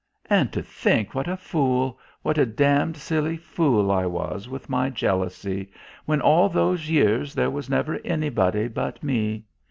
"And to think what a fool, what a damned silly fool I was, with my jealousy. When all those years there was never anybody but me.